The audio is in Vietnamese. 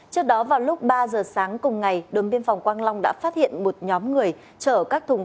trước đó vào lúc ba giờ sáng cùng ngày đồn biên phòng quang long đã phát hiện một nhóm người chở các thùng